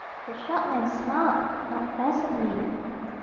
The short man smiled not pleasantly.